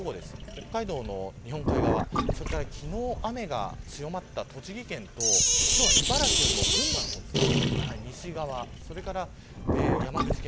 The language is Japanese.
北海道の日本海側それから昨日雨が強まった栃木県と今日は茨城よりも群馬の方ですね。